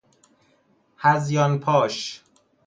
هذیان پاش